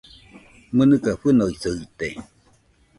¡Mɨnɨka fɨnoisɨite!